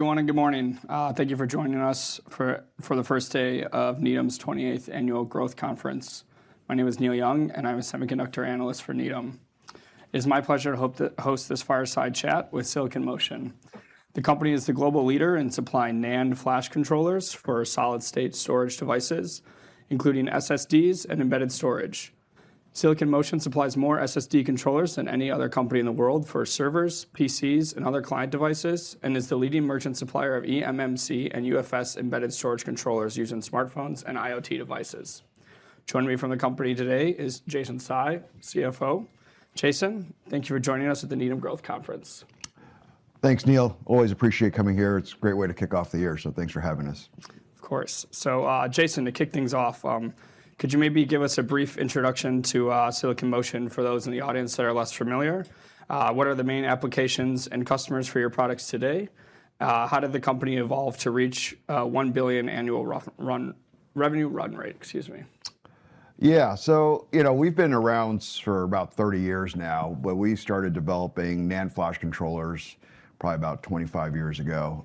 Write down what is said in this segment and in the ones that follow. Good morning. Good morning. Thank you for joining us for the first day of Needham & Company's 28th Annual Growth Conference. My name is Neil Young, and I'm a Semiconductor Analyst for Needham & Company. It is my pleasure to host this fireside chat with Silicon Motion. The company is the global leader in supplying NAND flash controllers for solid-state storage devices, including SSDs and embedded storage. Silicon Motion supplies more SSD controllers than any other company in the world for servers, PCs, and other client devices, and is the leading merchant supplier of eMMC and UFS embedded storage controllers used in smartphones and IoT devices. Joining me from the company today is Jason Tsai, CFO. Jason, thank you for joining us at the Needham & Company Growth Conference. Thanks, Neil. Always appreciate coming here. It's a great way to kick off the year, so thanks for having us. Of course. So, Jason, to kick things off, could you maybe give us a brief introduction to Silicon Motion for those in the audience that are less familiar? What are the main applications and customers for your products today? How did the company evolve to reach $1 billion annual revenue run rate? Excuse me. Yeah. So, you know, we've been around for about 30 years now, but we started developing NAND flash controllers probably about 25 years ago.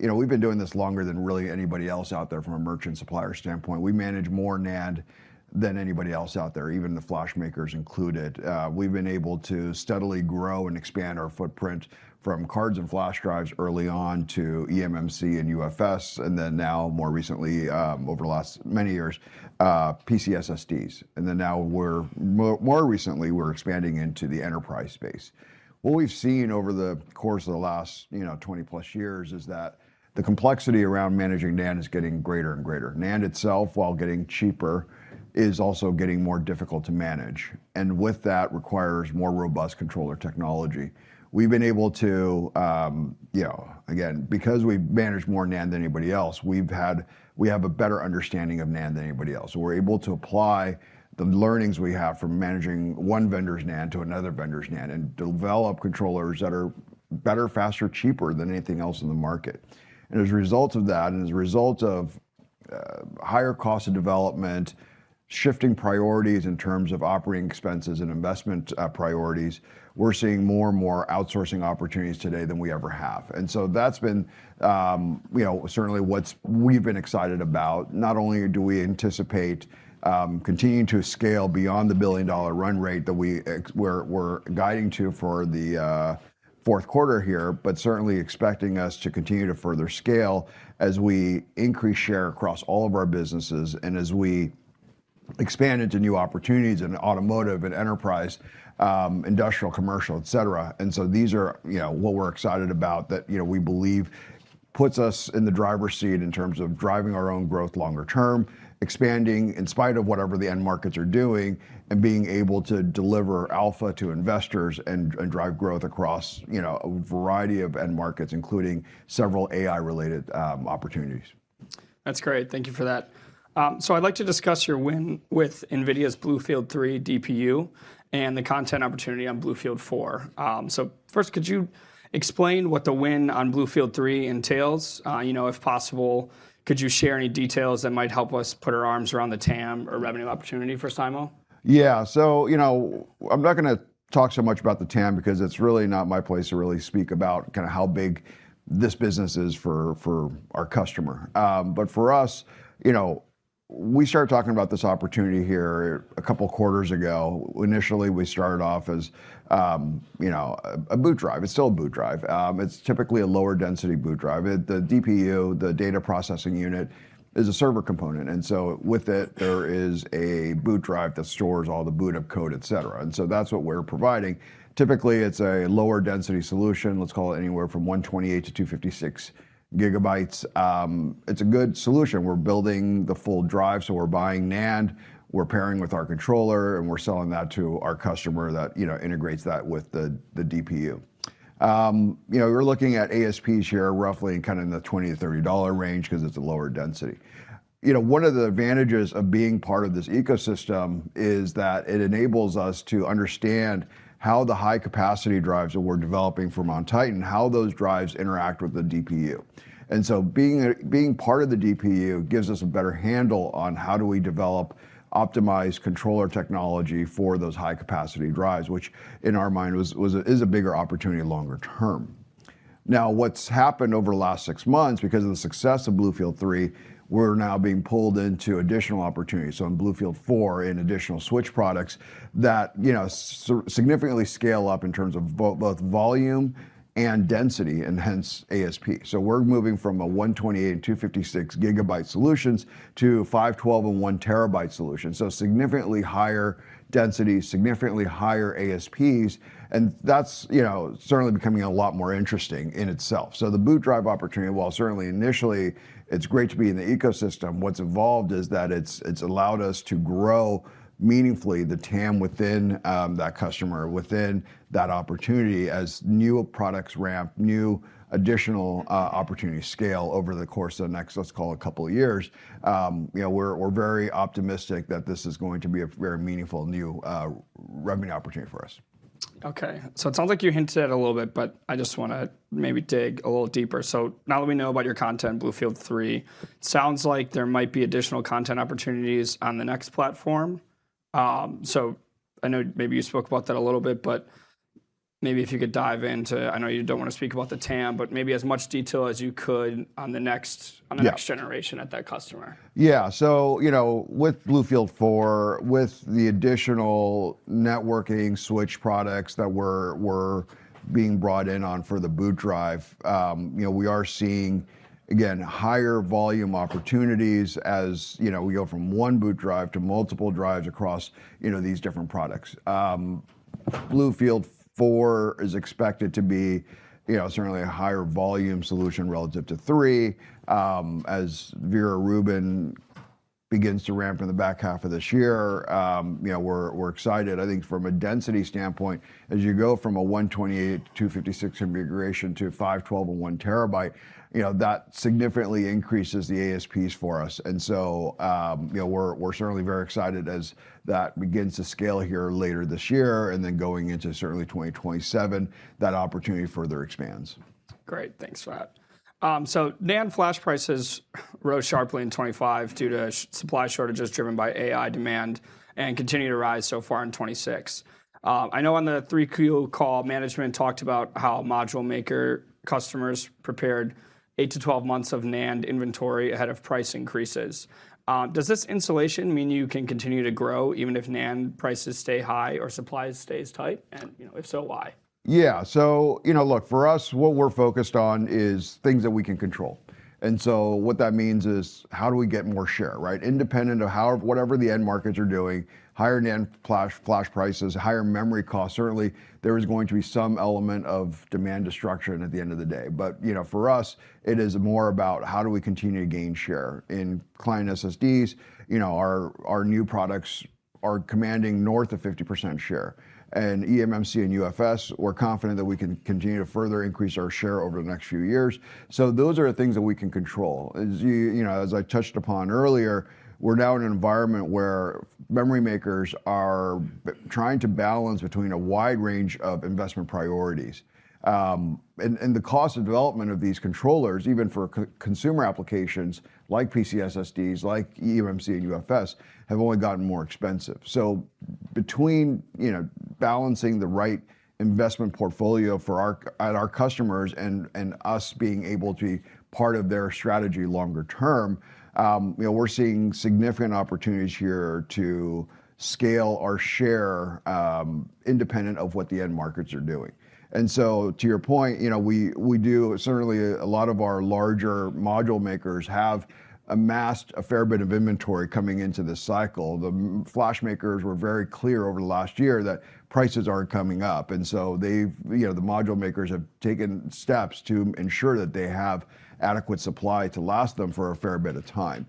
We've been doing this longer than really anybody else out there from a merchant supplier standpoint. We manage more NAND than anybody else out there, even the flash makers included. We've been able to steadily grow and expand our footprint from cards and flash drives early on to eMMC and UFS, and then now, more recently, over the last many years, PC SSDs. And then now, more recently, we're expanding into the enterprise space. What we've seen over the course of the last 20-plus years is that the complexity around managing NAND is getting greater and greater. NAND itself, while getting cheaper, is also getting more difficult to manage, and with that requires more robust controller technology. We've been able to, again, because we manage more NAND than anybody else, we have a better understanding of NAND than anybody else. We're able to apply the learnings we have from managing one vendor's NAND to another vendor's NAND and develop controllers that are better, faster, cheaper than anything else in the market. And as a result of that, and as a result of higher cost of development, shifting priorities in terms of operating expenses and investment priorities, we're seeing more and more outsourcing opportunities today than we ever have. And so that's been certainly what we've been excited about. Not only do we anticipate continuing to scale beyond the billion-dollar run rate that we're guiding to for the fourth quarter here, but certainly expecting us to continue to further scale as we increase share across all of our businesses and as we expand into new opportunities in automotive and enterprise, industrial, commercial, et cetera, and so these are what we're excited about that we believe puts us in the driver's seat in terms of driving our own growth longer term, expanding in spite of whatever the end markets are doing, and being able to deliver alpha to investors and drive growth across a variety of end markets, including several AI-related opportunities. That's great. Thank you for that. So I'd like to discuss your win with NVIDIA's BlueField-3 DPU and the content opportunity on BlueField-4. So first, could you explain what the win on BlueField-3 entails? If possible, could you share any details that might help us put our arms around the TAM or revenue opportunity for SIMO? Yeah. So I'm not going to talk so much about the TAM because it's really not my place to really speak about kind of how big this business is for our customer. But for us, we started talking about this opportunity here a couple of quarters ago. Initially, we started off as a boot drive. It's still a boot drive. It's typically a lower density boot drive. The DPU, the data processing unit, is a server component. And so with it, there is a boot drive that stores all the boot-up code, et cetera. And so that's what we're providing. Typically, it's a lower density solution. Let's call it anywhere from 128 GB to 256 GB. It's a good solution. We're building the full drive, so we're buying NAND. We're pairing with our controller, and we're selling that to our customer that integrates that with the DPU. We're looking at ASPs here roughly kind of in the $20-$30 range because it's a lower density. One of the advantages of being part of this ecosystem is that it enables us to understand how the high-capacity drives that we're developing for MonTitan and how those drives interact with the DPU. And so being part of the DPU gives us a better handle on how do we develop optimized controller technology for those high-capacity drives, which in our mind is a bigger opportunity longer term. Now, what's happened over the last six months, because of the success of BlueField-3, we're now being pulled into additional opportunities. So in BlueField-4, in additional switch products that significantly scale up in terms of both volume and density, and hence ASP. So we're moving from 128 GB and 256 GB solutions to 512 GB and 1 TB solutions. So significantly higher density, significantly higher ASPs. And that's certainly becoming a lot more interesting in itself. So the boot drive opportunity, while certainly initially it's great to be in the ecosystem, what's evolved is that it's allowed us to grow meaningfully the TAM within that customer, within that opportunity as new products ramp, new additional opportunities scale over the course of the next, let's call it a couple of years. We're very optimistic that this is going to be a very meaningful new revenue opportunity for us. Okay. So it sounds like you hinted at it a little bit, but I just want to maybe dig a little deeper. So now that we know about your content, BlueField-3, it sounds like there might be additional content opportunities on the next platform. So I know maybe you spoke about that a little bit, but maybe if you could dive into, I know you don't want to speak about the TAM, but maybe as much detail as you could on the next generation at that customer. Yeah. So with BlueField-4, with the additional networking switch products that we're being brought in on for the boot drive, we are seeing, again, higher volume opportunities as we go from one boot drive to multiple drives across these different products. BlueField-4 is expected to be certainly a higher volume solution relative to 3. As Vera Rubin begins to ramp in the back half of this year, we're excited. I think from a density standpoint, as you go from a 128 to 256 configuration to 512 and 1 TB, that significantly increases the ASPs for us. And so we're certainly very excited as that begins to scale here later this year. And then going into certainly 2027, that opportunity further expands. Great. Thanks for that. So NAND flash prices rose sharply in 2025 due to supply shortages driven by AI demand and continue to rise so far in 2026. I know on the 3Q call, management talked about how module maker customers prepared 8 to 12 months of NAND inventory ahead of price increases. Does this insulation mean you can continue to grow even if NAND prices stay high or supply stays tight? And if so, why? Yeah. So look, for us, what we're focused on is things that we can control. And so what that means is how do we get more share, right? Independent of whatever the end markets are doing, higher NAND flash prices, higher memory costs, certainly there is going to be some element of demand destruction at the end of the day. But for us, it is more about how do we continue to gain share in client SSDs. Our new products are commanding north of 50% share. And eMMC and UFS, we're confident that we can continue to further increase our share over the next few years. So those are the things that we can control. As I touched upon earlier, we're now in an environment where memory makers are trying to balance between a wide range of investment priorities. The cost of development of these controllers, even for consumer applications like PC SSDs, like eMMC and UFS, has only gotten more expensive. Between balancing the right investment portfolio at our customers and us being able to be part of their strategy longer term, we're seeing significant opportunities here to scale our share independent of what the end markets are doing. To your point, we do certainly a lot of our larger module makers have amassed a fair bit of inventory coming into this cycle. The flash makers were very clear over the last year that prices aren't coming up. The module makers have taken steps to ensure that they have adequate supply to last them for a fair bit of time.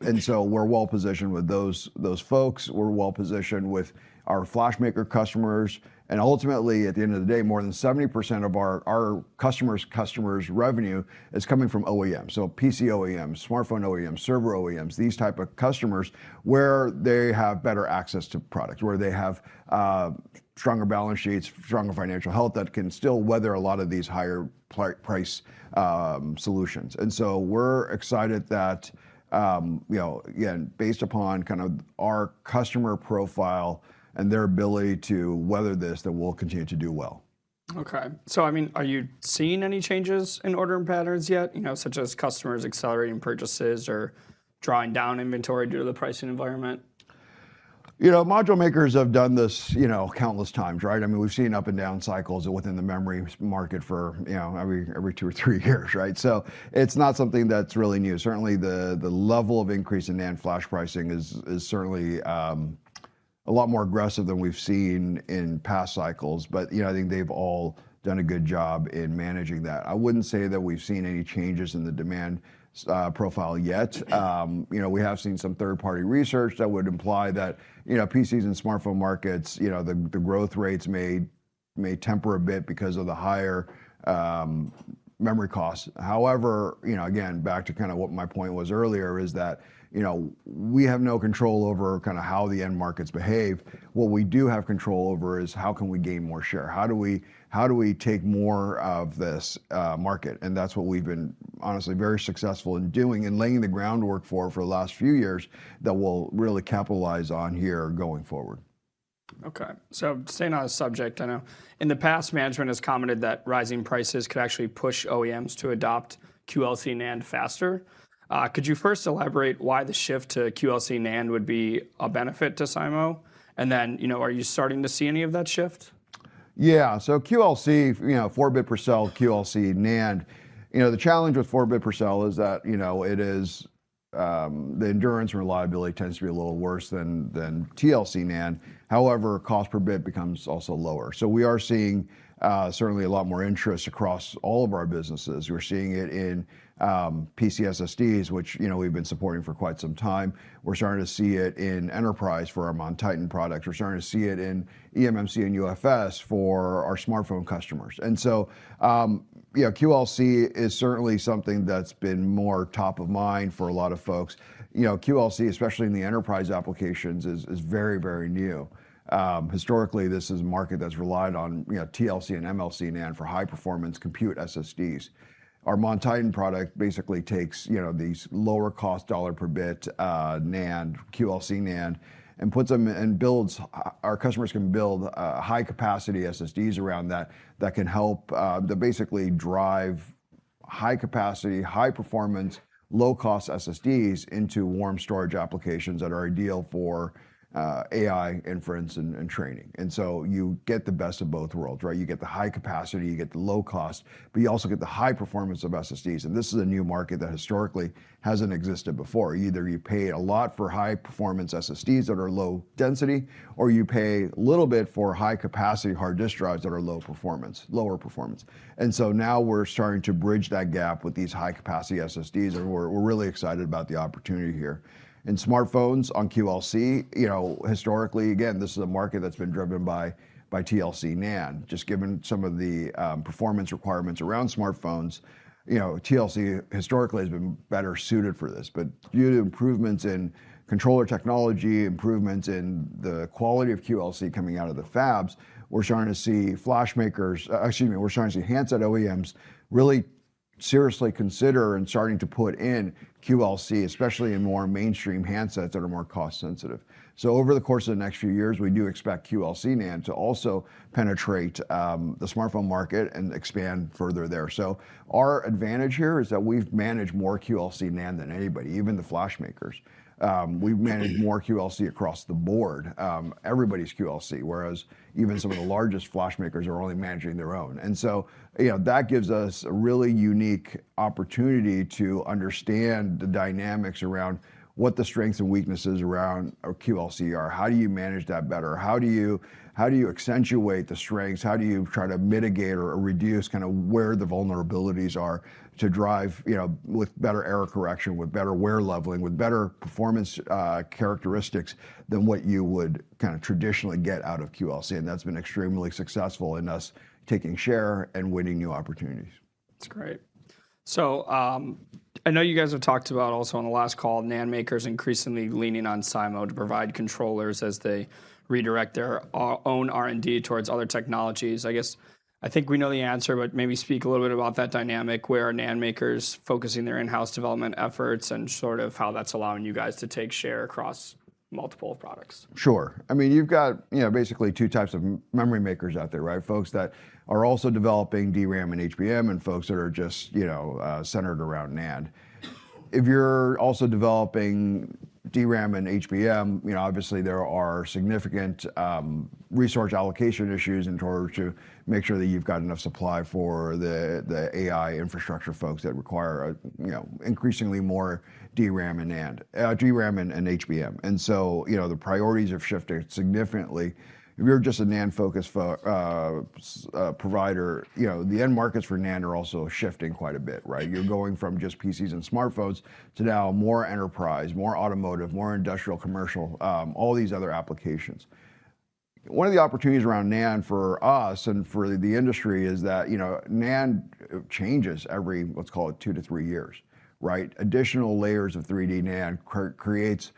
We're well positioned with those folks. We're well positioned with our flash maker customers. Ultimately, at the end of the day, more than 70% of our customers' revenue is coming from OEMs, so PC OEMs, smartphone OEMs, server OEMs, these types of customers where they have better access to products, where they have stronger balance sheets, stronger financial health that can still weather a lot of these higher price solutions, and so we're excited that, again, based upon kind of our customer profile and their ability to weather this, that we'll continue to do well. Okay. So I mean, are you seeing any changes in order and patterns yet, such as customers accelerating purchases or drawing down inventory due to the pricing environment? Module makers have done this countless times, right? I mean, we've seen up and down cycles within the memory market for every two or three years, right? So it's not something that's really new. Certainly, the level of increase in NAND flash pricing is certainly a lot more aggressive than we've seen in past cycles. But I think they've all done a good job in managing that. I wouldn't say that we've seen any changes in the demand profile yet. We have seen some third-party research that would imply that PCs and smartphone markets, the growth rates may temper a bit because of the higher memory costs. However, again, back to kind of what my point was earlier is that we have no control over kind of how the end markets behave. What we do have control over is how can we gain more share? How do we take more of this market? And that's what we've been honestly very successful in doing and laying the groundwork for the last few years that we'll really capitalize on here going forward. Okay. So staying on a subject, I know in the past, management has commented that rising prices could actually push OEMs to adopt QLC NAND faster. Could you first elaborate why the shift to QLC NAND would be a benefit to SIMO? And then are you starting to see any of that shift? Yeah. So QLC, 4-bit per cell QLC NAND, the challenge with 4-bit per cell is that the endurance and reliability tends to be a little worse than TLC NAND. However, cost per bit becomes also lower. So we are seeing certainly a lot more interest across all of our businesses. We're seeing it in PC SSDs, which we've been supporting for quite some time. We're starting to see it in enterprise for our MonTitan products. We're starting to see it in eMMC and UFS for our smartphone customers. And so QLC is certainly something that's been more top of mind for a lot of folks. QLC, especially in the enterprise applications, is very, very new. Historically, this is a market that's relied on TLC and MLC NAND for high-performance compute SSDs. Our MonTitan product basically takes these lower-cost dollar-per-bit NAND, QLC NAND, and builds our customers can build high-capacity SSDs around that that can help basically drive high-capacity, high-performance, low-cost SSDs into warm storage applications that are ideal for AI inference and training, and so you get the best of both worlds, right? You get the high capacity, you get the low cost, but you also get the high performance of SSDs, and this is a new market that historically hasn't existed before. Either you pay a lot for high-performance SSDs that are low density, or you pay a little bit for high-capacity hard disk drives that are lower performance, and so now we're starting to bridge that gap with these high-capacity SSDs, and we're really excited about the opportunity here. In smartphones on QLC, historically, again, this is a market that's been driven by TLC NAND. Just given some of the performance requirements around smartphones, TLC historically has been better suited for this. But due to improvements in controller technology, improvements in the quality of QLC coming out of the fabs, we're starting to see flash makers, excuse me, we're starting to see handset OEMs really seriously consider and starting to put in QLC, especially in more mainstream handsets that are more cost-sensitive. So over the course of the next few years, we do expect QLC NAND to also penetrate the smartphone market and expand further there. So our advantage here is that we've managed more QLC NAND than anybody, even the flash makers. We've managed more QLC across the board, everybody's QLC, whereas even some of the largest flash makers are only managing their own. And so that gives us a really unique opportunity to understand the dynamics around what the strengths and weaknesses around QLC are. How do you manage that better? How do you accentuate the strengths? How do you try to mitigate or reduce kind of where the vulnerabilities are to drive with better error correction, with better wear leveling, with better performance characteristics than what you would kind of traditionally get out of QLC? And that's been extremely successful in us taking share and winning new opportunities. That's great. So I know you guys have talked about also on the last call, NAND makers increasingly leaning on SIMO to provide controllers as they redirect their own R&D towards other technologies. I guess I think we know the answer, but maybe speak a little bit about that dynamic where NAND makers are focusing their in-house development efforts and sort of how that's allowing you guys to take share across multiple products. Sure. I mean, you've got basically two types of memory makers out there, right? Folks that are also developing DRAM and HBM and folks that are just centered around NAND. If you're also developing DRAM and HBM, obviously there are significant resource allocation issues in order to make sure that you've got enough supply for the AI infrastructure folks that require increasingly more DRAM and HBM. And so the priorities have shifted significantly. If you're just a NAND-focused provider, the end markets for NAND are also shifting quite a bit, right? You're going from just PCs and smartphones to now more enterprise, more automotive, more industrial, commercial, all these other applications. One of the opportunities around NAND for us and for the industry is that NAND changes every, let's call it, two to three years, right? Additional layers of 3D NAND create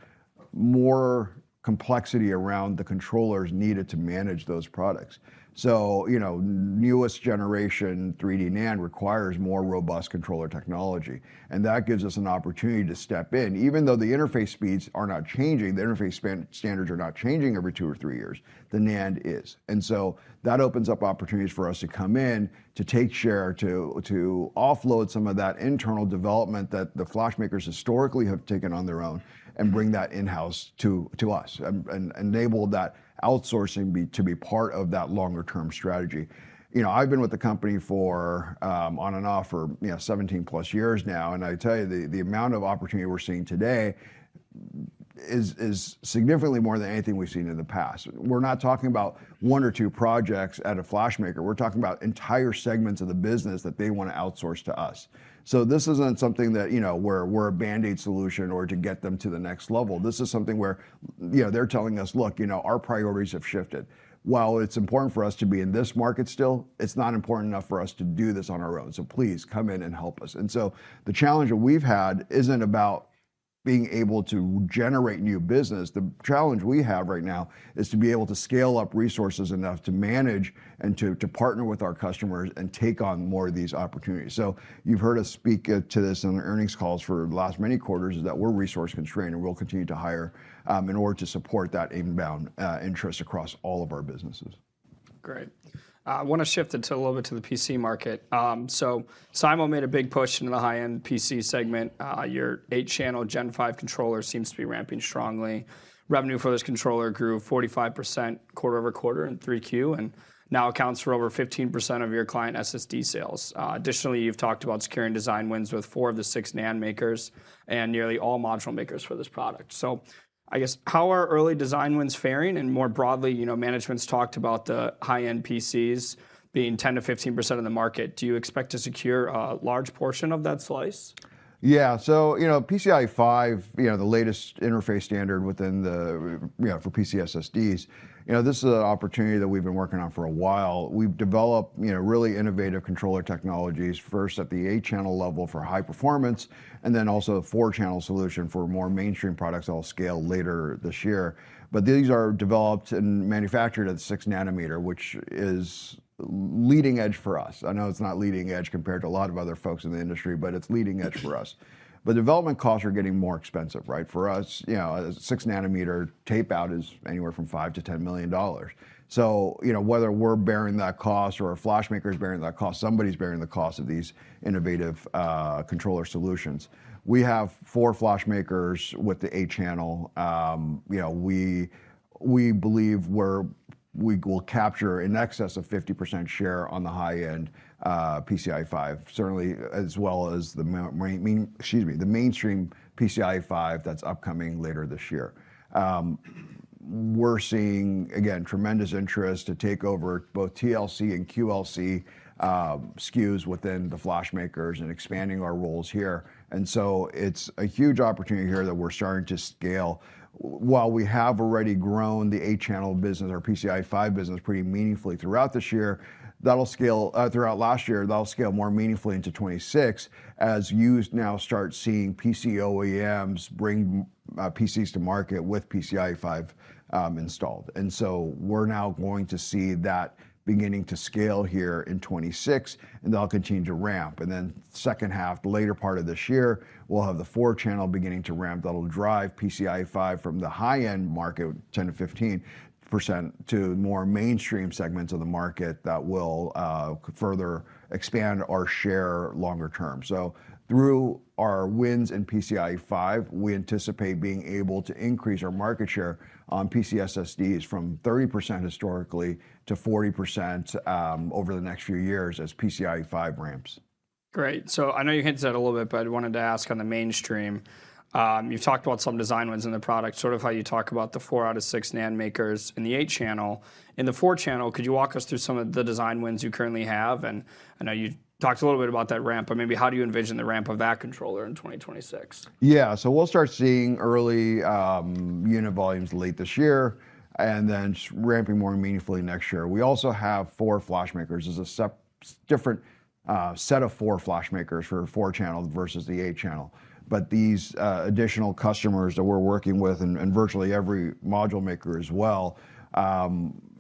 more complexity around the controllers needed to manage those products. So newest generation 3D NAND requires more robust controller technology. And that gives us an opportunity to step in. Even though the interface speeds are not changing, the interface standards are not changing every two or three years, the NAND is. And so that opens up opportunities for us to come in, to take share, to offload some of that internal development that the flash makers historically have taken on their own and bring that in-house to us and enable that outsourcing to be part of that longer-term strategy. I've been with the company for, on and off, for 17 plus years now. And I tell you, the amount of opportunity we're seeing today is significantly more than anything we've seen in the past. We're not talking about one or two projects at a flash maker. We're talking about entire segments of the business that they want to outsource to us. So this isn't something that we're a band-aid solution or to get them to the next level. This is something where they're telling us, "Look, our priorities have shifted." While it's important for us to be in this market still, it's not important enough for us to do this on our own. So please come in and help us. And so the challenge that we've had isn't about being able to generate new business. The challenge we have right now is to be able to scale up resources enough to manage and to partner with our customers and take on more of these opportunities. So, you've heard us speak to this on our earnings calls for the last many quarters. Is that we're resource constrained and we'll continue to hire in order to support that inbound interest across all of our businesses. Great. I want to shift a little bit to the PC market. So SIMO made a big push into the high-end PC segment. Your eight-channel Gen 5 controller seems to be ramping strongly. Revenue for this controller grew 45% quarter over quarter in three Q and now accounts for over 15% of your client SSD sales. Additionally, you've talked about securing design wins with four of the six NAND makers and nearly all module makers for this product. So I guess, how are early design wins faring? And more broadly, management's talked about the high-end PCs being 10%-15% of the market. Do you expect to secure a large portion of that slice? Yeah. So PCIe 5, the latest interface standard within the form factor for PC SSDs, this is an opportunity that we've been working on for a while. We've developed really innovative controller technologies first at the eight-channel level for high performance and then also a four-channel solution for more mainstream products that'll scale later this year. But these are developed and manufactured at 6 nm, which is leading edge for us. I know it's not leading edge compared to a lot of other folks in the industry, but it's leading edge for us. But development costs are getting more expensive, right? For us, 6 nm tape out is anywhere from $5 million-$10 million. So whether we're bearing that cost or a flash maker is bearing that cost, somebody's bearing the cost of these innovative controller solutions. We have four flash makers with the eight-channel. We believe we'll capture in excess of 50% share on the high-end PCIe 5, certainly as well as the mainstream PCIe 5 that's upcoming later this year. We're seeing, again, tremendous interest to take over both TLC and QLC SKUs within the flash makers and expanding our roles here. And so it's a huge opportunity here that we're starting to scale. While we have already grown the eight-channel business, our PCIe 5 business pretty meaningfully throughout this year, that'll scale throughout last year, that'll scale more meaningfully into 2026 as you now start seeing PC OEMs bring PCs to market with PCIe 5 installed. And so we're now going to see that beginning to scale here in 2026, and they'll continue to ramp. Second half, the later part of this year, we'll have the four-channel beginning to ramp that'll drive PCIe 5 from the high-end market 10%-15% to more mainstream segments of the market that will further expand our share longer term. Through our wins in PCIe 5, we anticipate being able to increase our market share on PC SSDs from 30% historically to 40% over the next few years as PCIe 5 ramps. Great. So I know you hinted at it a little bit, but I wanted to ask on the mainstream. You've talked about some design wins in the product, sort of how you talk about the four out of six NAND makers in the eight-channel. In the four-channel, could you walk us through some of the design wins you currently have? And I know you talked a little bit about that ramp, but maybe how do you envision the ramp of that controller in 2026? Yeah. So we'll start seeing early unit volumes late this year and then ramping more meaningfully next year. We also have four flash makers as a different set of four flash makers for four-channel versus the eight-channel. But these additional customers that we're working with and virtually every module maker as well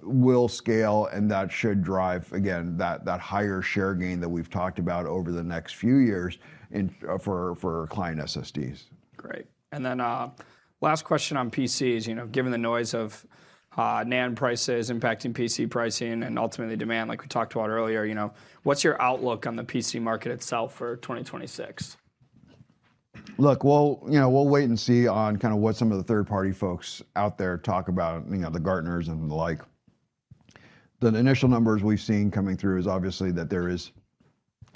will scale, and that should drive, again, that higher share gain that we've talked about over the next few years for client SSDs. Great. And then last question on PCs, given the noise of NAND prices impacting PC pricing and ultimately demand, like we talked about earlier, what's your outlook on the PC market itself for 2026? Look, we'll wait and see on kind of what some of the third-party folks out there talk about, the Gartner and the like. The initial numbers we've seen coming through is obviously that there is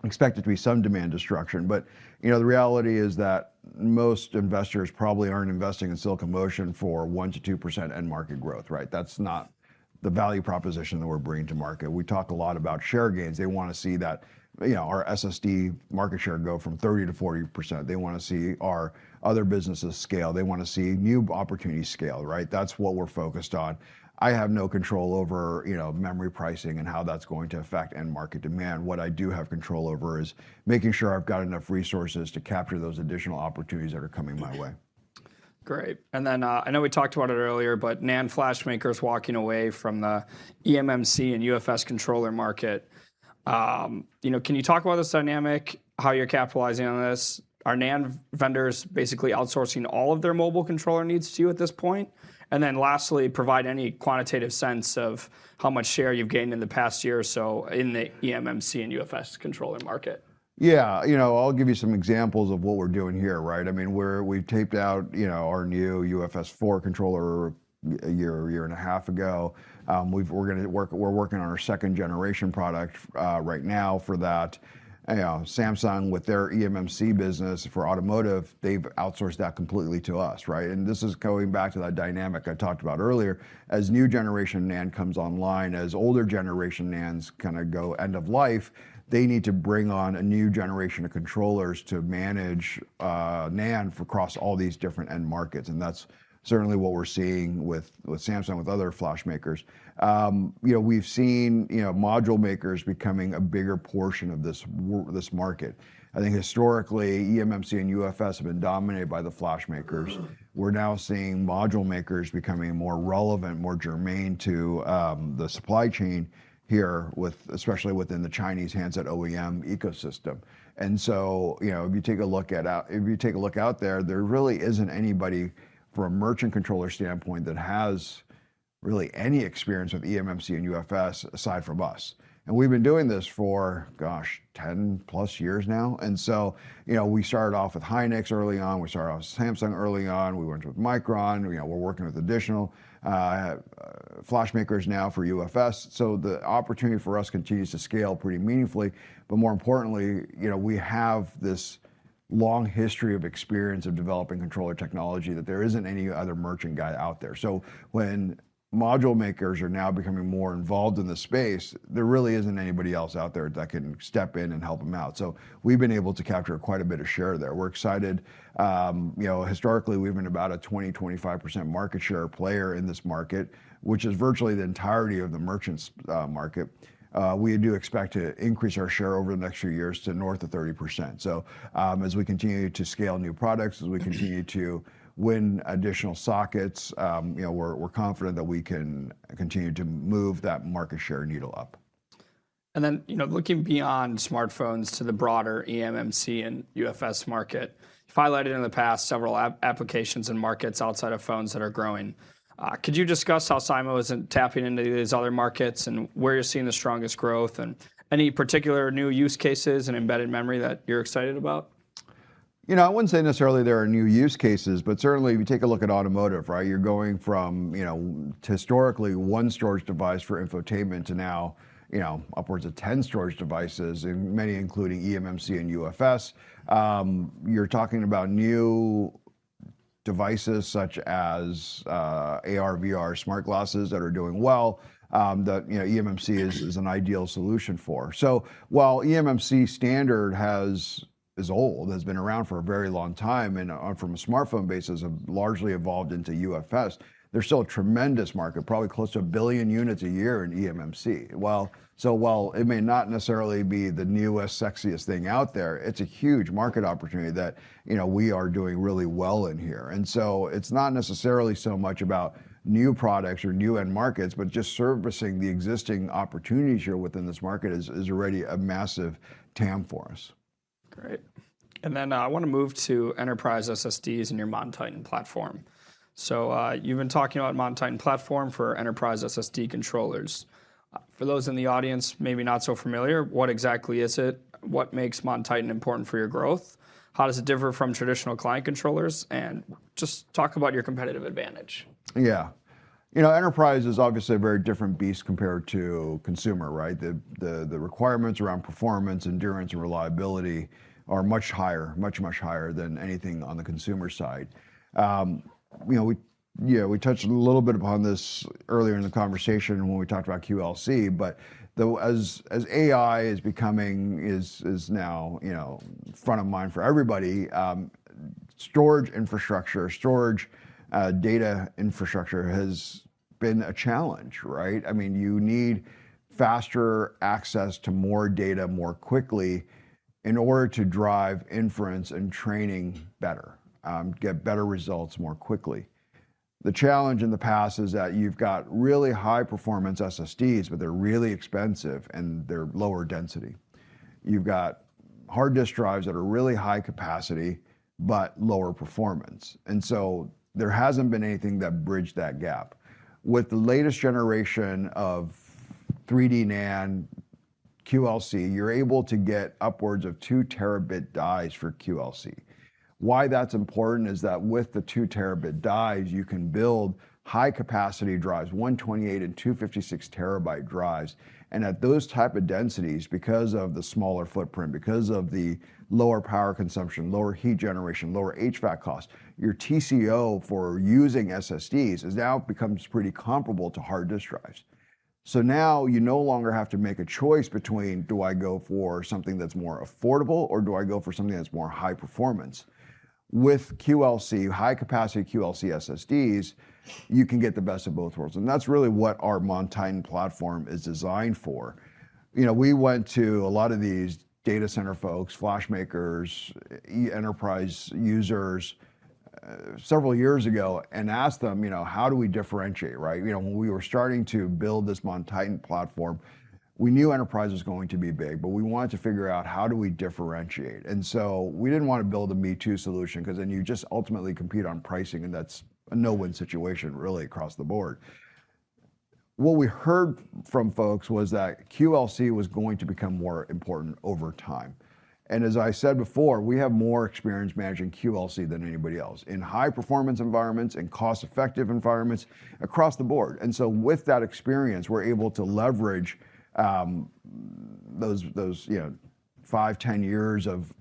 expected to be some demand destruction. But the reality is that most investors probably aren't investing in Silicon Motion for 1%-2% end market growth, right? That's not the value proposition that we're bringing to market. We talk a lot about share gains. They want to see that our SSD market share go from 30%-40%. They want to see our other businesses scale. They want to see new opportunities scale, right? That's what we're focused on. I have no control over memory pricing and how that's going to affect end market demand. What I do have control over is making sure I've got enough resources to capture those additional opportunities that are coming my way. Great. And then I know we talked about it earlier, but NAND flash makers walking away from the eMMC and UFS controller market. Can you talk about this dynamic, how you're capitalizing on this? Are NAND vendors basically outsourcing all of their mobile controller needs to you at this point? And then lastly, provide any quantitative sense of how much share you've gained in the past year or so in the eMMC and UFS controller market. Yeah. I'll give you some examples of what we're doing here, right? I mean, we've taped out our new UFS 4 controller a year or a year and a half ago. We're working on our second-generation product right now for that. Samsung with their eMMC business for automotive, they've outsourced that completely to us, right? And this is going back to that dynamic I talked about earlier. As new generation NAND comes online, as older generation NANDs kind of go end of life, they need to bring on a new generation of controllers to manage NAND across all these different end markets. And that's certainly what we're seeing with Samsung, with other flash makers. We've seen module makers becoming a bigger portion of this market. I think historically, eMMC and UFS have been dominated by the flash makers. We're now seeing module makers becoming more relevant, more germane to the supply chain here, especially within the Chinese handset OEM ecosystem. And so if you take a look out there, there really isn't anybody from a merchant controller standpoint that has really any experience with eMMC and UFS aside from us. And we've been doing this for, gosh, 10 plus years now. And so we started off with Hynix early on. We started off with Samsung early on. We went with Micron. We're working with additional flash makers now for UFS. So the opportunity for us continues to scale pretty meaningfully. But more importantly, we have this long history of experience of developing controller technology that there isn't any other merchant guy out there. When module makers are now becoming more involved in the space, there really isn't anybody else out there that can step in and help them out. We've been able to capture quite a bit of share there. We're excited. Historically, we've been about a 20%-25% market share player in this market, which is virtually the entirety of the merchant market. We do expect to increase our share over the next few years to north of 30%. As we continue to scale new products, as we continue to win additional sockets, we're confident that we can continue to move that market share needle up. And then looking beyond smartphones to the broader eMMC and UFS market, you've highlighted in the past several applications and markets outside of phones that are growing. Could you discuss how SIMO is tapping into these other markets and where you're seeing the strongest growth and any particular new use cases and embedded memory that you're excited about? I wouldn't say necessarily there are new use cases, but certainly if you take a look at automotive, right? You're going from historically one storage device for infotainment to now upwards of 10 storage devices, many including eMMC and UFS. You're talking about new devices such as AR, VR, smart glasses that are doing well, that eMMC is an ideal solution for. So while eMMC standard is old, has been around for a very long time and from a smartphone basis have largely evolved into UFS, there's still a tremendous market, probably close to a billion units a year in eMMC. So while it may not necessarily be the newest, sexiest thing out there, it's a huge market opportunity that we are doing really well in here. And so it's not necessarily so much about new products or new end markets, but just servicing the existing opportunities here within this market is already a massive TAM for us. Great. And then I want to move to enterprise SSDs and your MonTitan platform. So you've been talking about MonTitan platform for enterprise SSD controllers. For those in the audience, maybe not so familiar, what exactly is it? What makes MonTitan important for your growth? How does it differ from traditional client controllers? And just talk about your competitive advantage. Yeah. Enterprise is obviously a very different beast compared to consumer, right? The requirements around performance, endurance, and reliability are much higher, much, much higher than anything on the consumer side. We touched a little bit upon this earlier in the conversation when we talked about QLC, but as AI is becoming, is now front of mind for everybody, storage infrastructure, storage data infrastructure has been a challenge, right? I mean, you need faster access to more data more quickly in order to drive inference and training better, get better results more quickly. The challenge in the past is that you've got really high performance SSDs, but they're really expensive and they're lower density. You've got hard disk drives that are really high capacity, but lower performance, and so there hasn't been anything that bridged that gap. With the latest generation of 3D NAND QLC, you're able to get upwards of 2 Tb dies for QLC. Why that's important is that with the 2 Tb dies, you can build high capacity drives, 128 TB and 256 TB drives. And at those type of densities, because of the smaller footprint, because of the lower power consumption, lower heat generation, lower HVAC cost, your TCO for using SSDs has now become pretty comparable to hard disk drives. So now you no longer have to make a choice between, do I go for something that's more affordable or do I go for something that's more high performance? With QLC, high capacity QLC SSDs, you can get the best of both worlds. And that's really what our MonTitan platform is designed for. We went to a lot of these data center folks, flash makers, enterprise users several years ago and asked them, how do we differentiate, right? When we were starting to build this MonTitan platform, we knew enterprise was going to be big, but we wanted to figure out how do we differentiate, and so we didn't want to build a me too solution because then you just ultimately compete on pricing and that's a no-win situation really across the board. What we heard from folks was that QLC was going to become more important over time. And as I said before, we have more experience managing QLC than anybody else in high performance environments and cost-effective environments across the board, and so with that experience, we're able to leverage those five, 10 years of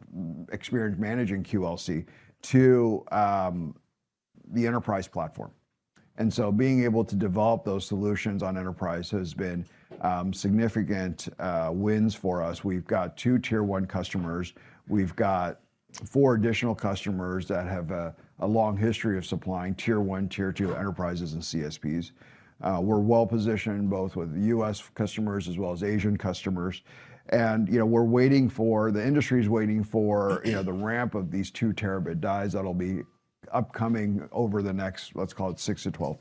experience managing QLC to the enterprise platform. And so being able to develop those solutions on enterprise has been significant wins for us. We've got two tier one customers. We've got four additional customers that have a long history of supplying tier one, tier two enterprises and CSPs. We're well positioned both with U.S. customers as well as Asian customers. And we're waiting for the industry. The industry is waiting for the ramp of these 2 Tb dies that'll be upcoming over the next, let's call it 6-12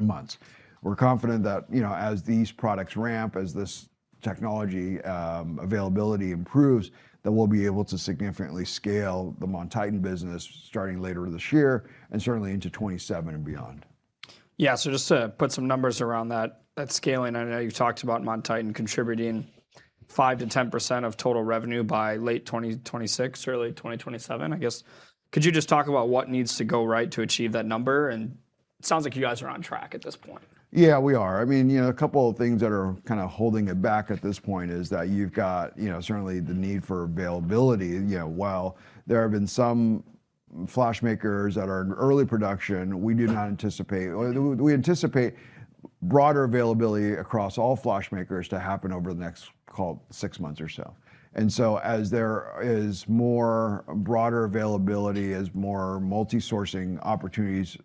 months. We're confident that as these products ramp, as this technology availability improves, that we'll be able to significantly scale the MonTitan business starting later this year and certainly into 2027 and beyond. Yeah. So just to put some numbers around that scaling, I know you talked about MonTitan contributing 5%-10% of total revenue by late 2026 or late 2027, I guess. Could you just talk about what needs to go right to achieve that number? And it sounds like you guys are on track at this point. Yeah, we are. I mean, a couple of things that are kind of holding it back at this point is that you've got certainly the need for availability. While there have been some flash makers that are in early production, we anticipate broader availability across all flash makers to happen over the next call it six months or so. And so as there is more broader availability, as more multi-sourcing opportunities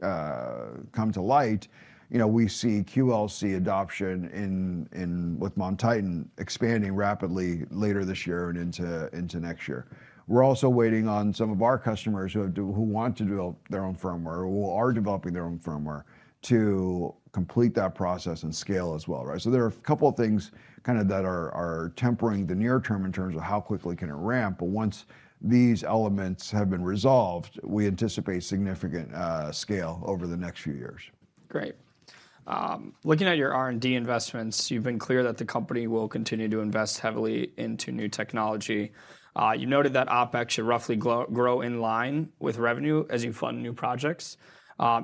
come to light, we see QLC adoption with MonTitan expanding rapidly later this year and into next year. We're also waiting on some of our customers who want to develop their own firmware or are developing their own firmware to complete that process and scale as well, right? So there are a couple of things kind of that are tempering the near term in terms of how quickly can it ramp. Once these elements have been resolved, we anticipate significant scale over the next few years. Great. Looking at your R&D investments, you've been clear that the company will continue to invest heavily into new technology. You noted that OpEx should roughly grow in line with revenue as you fund new projects.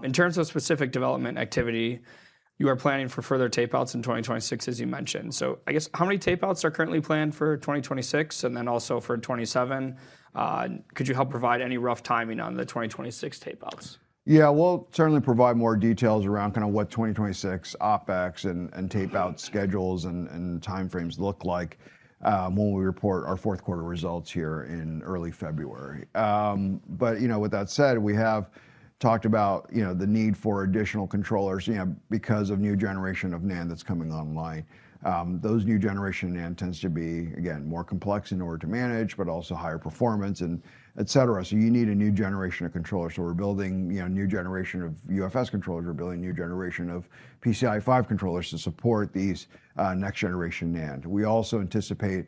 In terms of specific development activity, you are planning for further tapeouts in 2026, as you mentioned. So I guess how many tapeouts are currently planned for 2026 and then also for 2027? Could you help provide any rough timing on the 2026 tapeouts? Yeah, we'll certainly provide more details around kind of what 2026 OpEx and tapeout schedules and timeframes look like when we report our fourth quarter results here in early February. But with that said, we have talked about the need for additional controllers because of new generation of NAND that's coming online. Those new generation NAND tends to be, again, more complex in order to manage, but also higher performance, et cetera. So you need a new generation of controllers. So we're building a new generation of UFS controllers. We're building a new generation of PCIe 5 controllers to support these next generation NAND. We also anticipate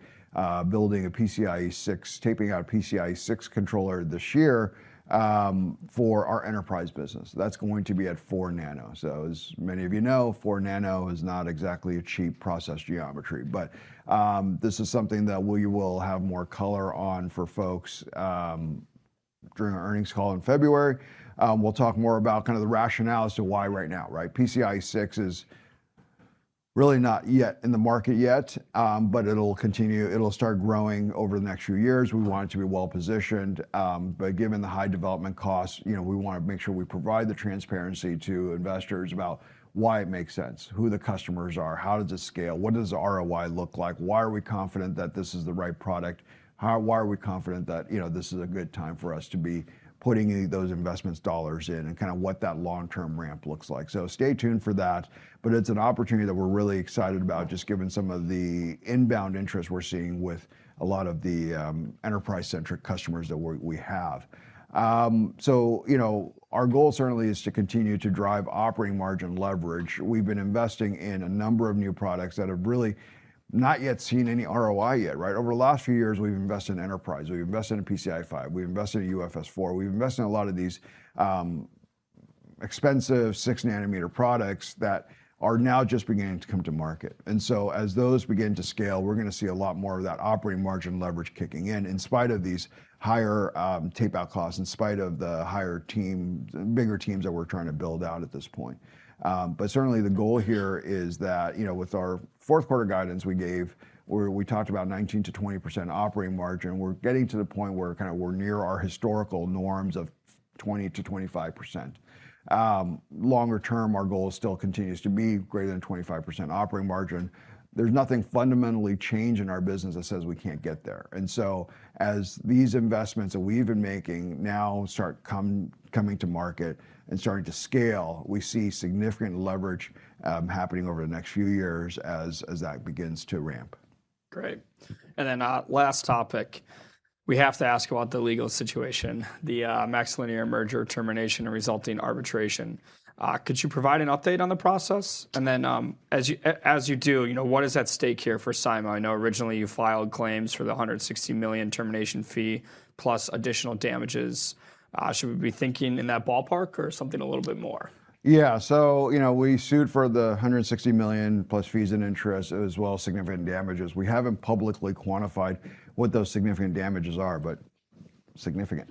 building a PCIe 6, taping out a PCIe 6 controller this year for our enterprise business. That's going to be at 4 nm. As many of you know, 4 nm is not exactly a cheap process geometry, but this is something that we will have more color on for folks during our earnings call in February. We'll talk more about kind of the rationale as to why right now, right? PCIe 6 is really not yet in the market yet, but it'll continue. It'll start growing over the next few years. We want it to be well positioned. But given the high development costs, we want to make sure we provide the transparency to investors about why it makes sense, who the customers are, how does this scale, what does ROI look like, why are we confident that this is the right product, why are we confident that this is a good time for us to be putting those investment dollars in and kind of what that long-term ramp looks like. So stay tuned for that. But it's an opportunity that we're really excited about, just given some of the inbound interest we're seeing with a lot of the enterprise-centric customers that we have. So our goal certainly is to continue to drive operating margin leverage. We've been investing in a number of new products that have really not yet seen any ROI yet, right? Over the last few years, we've invested in enterprise. We've invested in PCIe 5. We've invested in UFS 4. We've invested in a lot of these expensive six-nanometer products that are now just beginning to come to market. And so as those begin to scale, we're going to see a lot more of that operating margin leverage kicking in in spite of these higher tapeout costs, in spite of the higher team, bigger teams that we're trying to build out at this point. But certainly the goal here is that with our fourth quarter guidance we gave, where we talked about 19%-20% operating margin, we're getting to the point where kind of we're near our historical norms of 20%-25%. Longer term, our goal still continues to be greater than 25% operating margin. There's nothing fundamentally changed in our business that says we can't get there. And so as these investments that we've been making now start coming to market and starting to scale, we see significant leverage happening over the next few years as that begins to ramp. Great. And then last topic, we have to ask about the legal situation, the MaxLinear merger termination and resulting arbitration. Could you provide an update on the process? And then as you do, what is at stake here for SIMO? I know originally you filed claims for the $160 million termination fee plus additional damages. Should we be thinking in that ballpark or something a little bit more? Yeah. So we sued for the $160 million plus fees and interest as well as significant damages. We haven't publicly quantified what those significant damages are, but significant.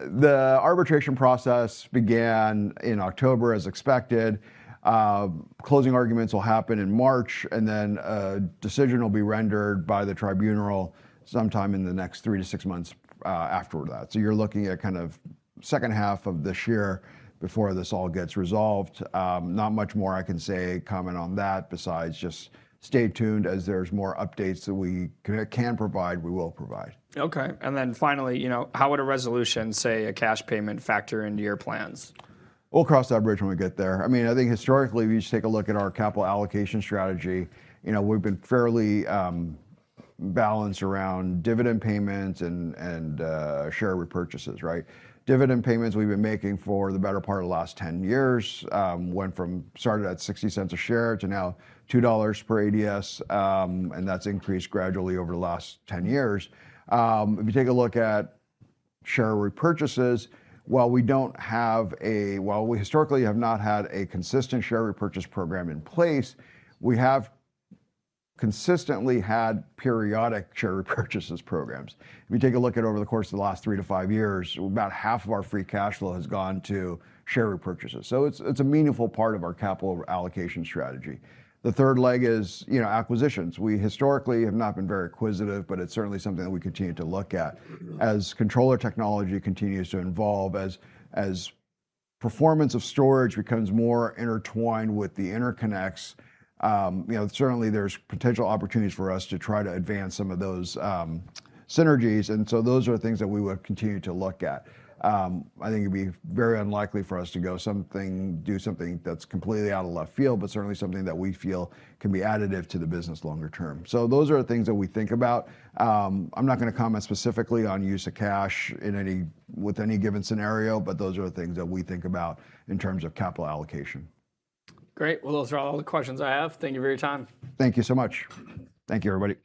The arbitration process began in October as expected. Closing arguments will happen in March and then a decision will be rendered by the tribunal sometime in the next three-to-six months after that. So you're looking at kind of second half of this year before this all gets resolved. Not much more I can say comment on that besides just stay tuned as there's more updates that we can provide, we will provide. Okay. And then finally, how would a resolution, say a cash payment factor into your plans? We'll cross that bridge when we get there. I mean, I think historically, if you just take a look at our capital allocation strategy, we've been fairly balanced around dividend payments and share repurchases, right? Dividend payments we've been making for the better part of the last 10 years went from started at $0.60 a share to now $2 per ADS, and that's increased gradually over the last 10 years. If you take a look at share repurchases, while we historically have not had a consistent share repurchase program in place, we have consistently had periodic share repurchases programs. If you take a look at over the course of the last three to five years, about half of our free cash flow has gone to share repurchases. So it's a meaningful part of our capital allocation strategy. The third leg is acquisitions. We historically have not been very acquisitive, but it's certainly something that we continue to look at as controller technology continues to evolve, as performance of storage becomes more intertwined with the interconnects. Certainly, there's potential opportunities for us to try to advance some of those synergies, and so those are things that we will continue to look at. I think it'd be very unlikely for us to go something, do something that's completely out of left field, but certainly something that we feel can be additive to the business longer term, so those are the things that we think about. I'm not going to comment specifically on use of cash with any given scenario, but those are the things that we think about in terms of capital allocation. Great. Well, those are all the questions I have. Thank you for your time. Thank you so much. Thank you, everybody.